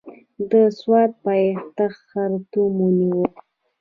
د سوډان پایتخت خرطوم ونیو.